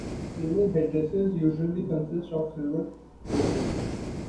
Female headdresses usually consist of silver jewelry.